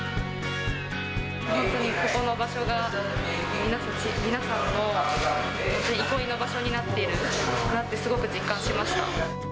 本当にここの場所が、皆さんの憩いの場所になっているなって、すごく実感しました。